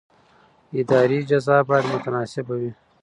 اداري جزا باید متناسبه وي.